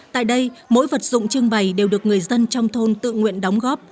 tại đây mỗi vật dụng trưng bày đều được người dân trong thôn tự nguyện đóng góp